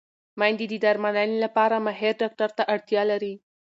مېندې د درملنې لپاره ماهر ډاکټر ته اړتیا لري.